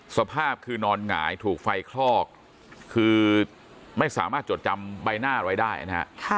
สภาพคือนอนหงายถูกไฟคลอกคือไม่สามารถจดจำใบหน้าไว้ได้นะฮะ